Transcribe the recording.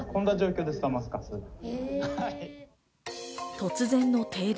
突然の停電。